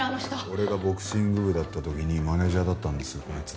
俺がボクシング部だった時にマネージャーだったんですよこいつ。